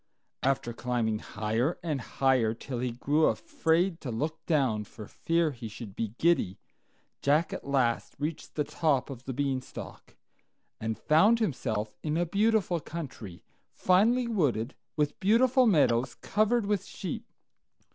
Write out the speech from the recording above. After climbing higher and higher, till he grew afraid to look down for fear he should be giddy, Jack at last reached the top of the Beanstalk, and found himself in a beautiful country, finely wooded, with beautiful meadows covered with sheep.